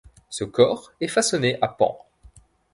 Ce cor est façonné à pans.